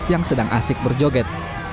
yang sedang asik berjoget